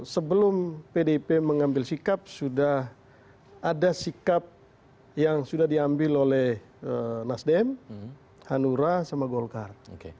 sebelum pdip mengambil sikap sudah ada sikap yang sudah diambil oleh nasdem hanura sama golkar